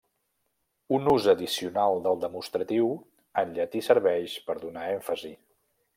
Un ús addicional del demostratiu en llatí serveix per donar èmfasi.